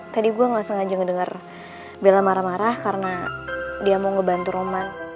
tadi gue gak sengaja ngedengar bella marah marah karena dia mau ngebantu roman